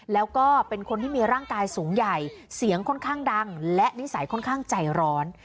แล้วก็เป็นคนที่มีร่างกายสูงใหญ่เสียงค่อนข้างดังและนิสัยค่อนข้างใจร้อน